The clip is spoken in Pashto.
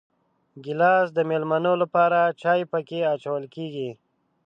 ګیلاس د مېلمنو لپاره چای پکې اچول کېږي.